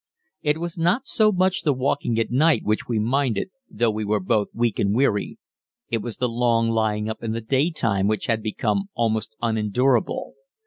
It was not so much the walking at night which we minded though we were both weak and weary, it was the long lying up in the day time which had become almost unendurable.